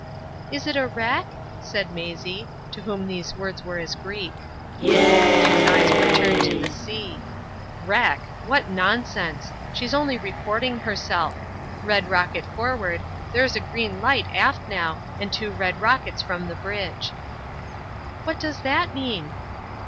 "Is it a wreck?" said Maisie, to whom these words were as Greek. Dick's eyes were turned to the sea. "Wreck! What nonsense! She's only reporting herself. Red rocket forward—there's a green light aft now, and two red rockets from the bridge." "What does that mean?"